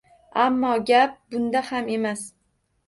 Ammo gap bunda ham emas.